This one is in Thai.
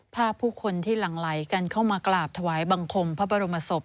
ผู้คนที่หลั่งไหลกันเข้ามากราบถวายบังคมพระบรมศพ